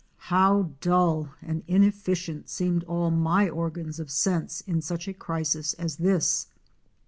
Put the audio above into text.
How dull and inefficient seemed all my organs of sense in such a crisis as this.